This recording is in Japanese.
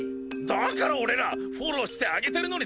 だから俺らフォローしてあげてるのにさ！